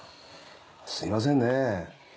すみませんねぇ。